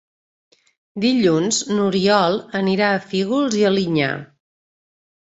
Dilluns n'Oriol anirà a Fígols i Alinyà.